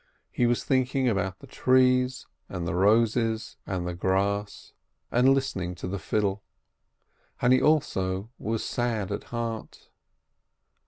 He was thinking about the trees and the roses and the grass, and listening to the fiddle. And he also was sad at heart.